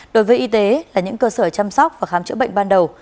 đối với y tế là những cơ sở chăm sóc và khám chữa bệnh ban đầu